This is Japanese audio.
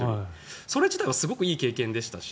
それ自体はすごくいい経験でしたし。